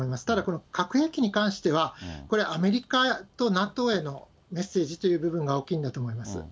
ただ、この核兵器に関しては、アメリカとＮＡＴＯへのメッセージという部分が大きいんだと思います。